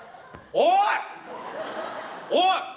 おい。